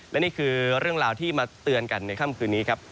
และนี่คือเรื่องราวที่มาเตือนกันในค่ำคืนนี้ครับ